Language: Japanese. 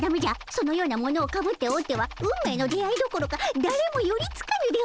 そのようなものをかぶっておっては運命の出会いどころかだれもよりつかぬでおじゃる！